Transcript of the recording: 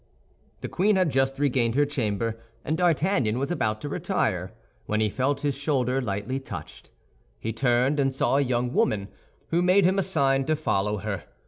The queen had just regained her chamber, and D'Artagnan was about to retire, when he felt his shoulder lightly touched. He turned and saw a young woman, who made him a sign to follow her.